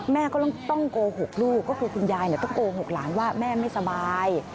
แม่ก็ต้องโกหกลูกก็คือคุณยายต้องโกหกหลานว่าแม่ไม่สบาย